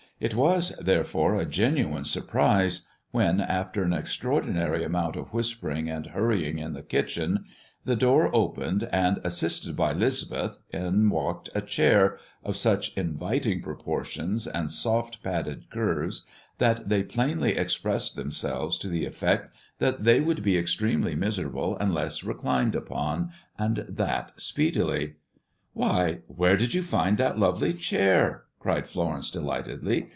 It was, therefore, a genuine surprise when, after an extraordinary amount of whispering and hurrying in the kitchen, the door opened, and, assisted by 'Lisbeth, in walked a chair of such inviting proportions and soft, padded curves that they plainly expressed themselves to the effect that they would be extremely miserable unless reclined upon, and that speedily. "Why, where did you find that lovely chair?" cried Florence delightedly.